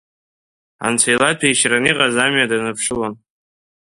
Анцәа илаҭәеишьараны иҟаз амҩа даныԥшылон.